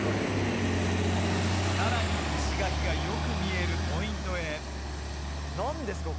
さらに石垣がよく見えるポイントへ何ですか？